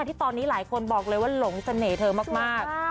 ที่ตอนนี้หลายคนบอกเลยว่าหลงเสน่ห์เธอมาก